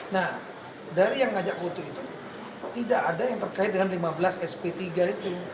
nah dari yang ngajak foto itu tidak ada yang terkait dengan lima belas sp tiga itu